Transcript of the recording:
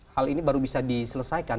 hal ini baru bisa diselesaikan